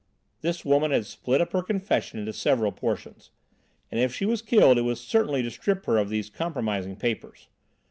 This woman had split up her confession into several portions. And if she was killed it was certainly to strip her of these compromising papers.